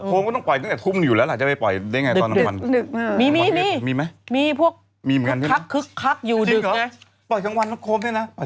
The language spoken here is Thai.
โมงก็ต้องปล่อยตั้งแต่ทุ่มอยู่แล้วล่ะจะไปปล่อยได้ไงตอนกลางวัน